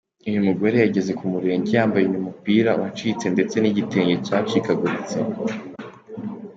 Uyu mugore yageze ku murenge yambaye uyu mupira wacitse ndetse n’igitenge cyacikaguritse.